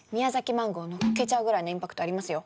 マンゴーのっけちゃうぐらいのインパクトありますよ。